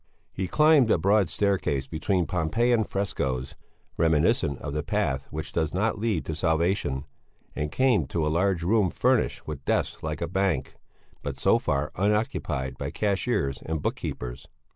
He climbed the broad staircase between Pompeian frescoes reminiscent of the path which does not lead to salvation, and came to a large room furnished with desks like a bank, but so far unoccupied by cashiers and book keepers.